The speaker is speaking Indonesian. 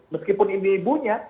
meskipun ini ibunya